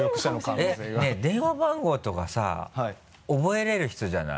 えっ？ねぇ電話番号とかさ覚えれる人じゃない？